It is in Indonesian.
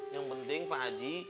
yang penting pak aji